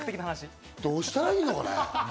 どうしたらいいのかね？